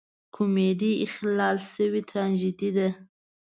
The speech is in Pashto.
کمیډي اخلال شوې تراژیدي ده.